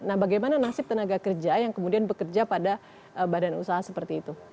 nah bagaimana nasib tenaga kerja yang kemudian bekerja pada badan usaha seperti itu